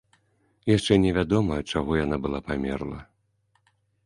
Яшчэ невядома, ад чаго яна была памерла.